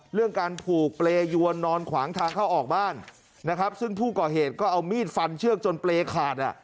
เรื่องการผูกเปรยวนนอนขวางทางเข้าออกบ้านนะครับซึ่งผู้ก่อเหตุก็เอามีดฟันเชือกจนเปรย์ขาดอ่ะ